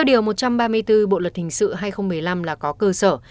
điều một trăm ba mươi bốn bộ luật hình sự hai nghìn một mươi năm là có cơ sở